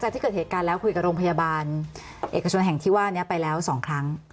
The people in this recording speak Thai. ที่เกิดเหตุการณ์แล้วคุยกับโรงพยาบาลเอกชนแห่งที่ว่านี้ไปแล้ว๒ครั้ง